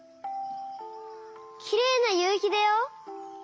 きれいなゆうひだよ！